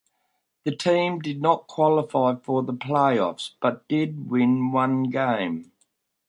The team did not qualify for the playoffs but did win one game.